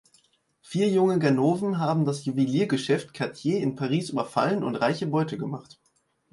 Vier junge Ganoven haben das Juweliergeschäft Cartier in Paris überfallen und reiche Beute gemacht.